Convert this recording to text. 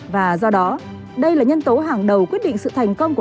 và do đó đây là nhân tố hàng đầu quyết định sự thành tựu